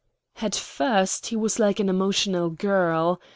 At first he was like an emotional girl.